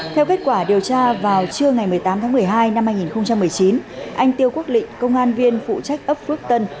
theo kết quả điều tra vào trưa ngày một mươi tám tháng một mươi hai năm hai nghìn một mươi chín anh tiêu quốc lịnh công an viên phụ trách ấp phước tân